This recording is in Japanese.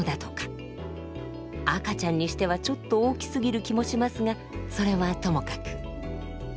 赤ちゃんにしてはちょっと大きすぎる気もしますがそれはともかく。